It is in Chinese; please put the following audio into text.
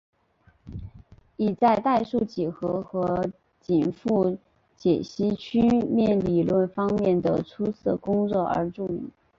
以在代数几何和紧复解析曲面理论方面的出色工作而著名。